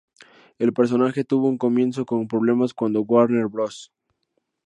El personaje tuvo un comienzo con problemas cuando Warner Bros.